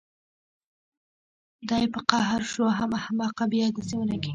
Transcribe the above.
دى په قهر شو حم احمقه بيا دسې ونکې.